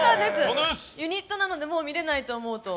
ユニットなので、もう見れないと思うと。